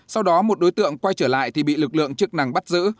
sau đó một đối tượng quay trở lại thì bị lực lượng chức năng bắt giữ